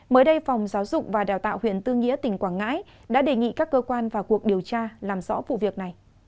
mới đây phòng giáo dụng và đào tạo huyện tương nghĩa tỉnh quảng ngãi đã đề nghị các cơ quan và cuộc điều tra làm rõ vụ việc này